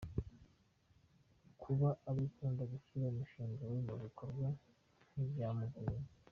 Kuba abikunda gushyira umushinga we mu bikorwa ntibyamugoye.